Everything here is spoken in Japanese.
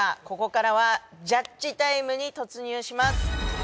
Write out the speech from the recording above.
ここからはジャッジタイムに突入します。